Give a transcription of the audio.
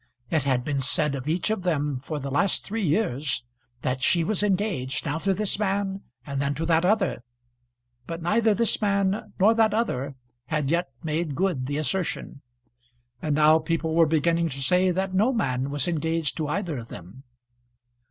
It had been said of each of them for the last three years that she was engaged, now to this man, and then to that other; but neither this man nor that other had yet made good the assertion, and now people were beginning to say that no man was engaged to either of them.